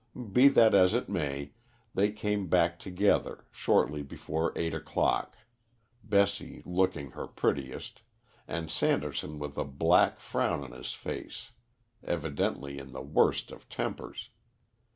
Be that as it may, they came back together, shortly before eight o'clock, Bessie looking her prettiest, and Sanderson with a black frown on his face, evidently in the worst of tempers.